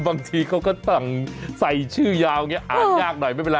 บางทีเขาก็สั่งใส่ชื่อยาวอย่างนี้อ่านยากหน่อยไม่เป็นไร